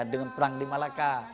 dengan perang di malaka